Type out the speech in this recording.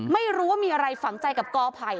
ไม่รู้ว่ามีอะไรฝังใจกับกอไผ่